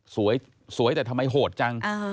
สวยแต่ทำไมโหดจัง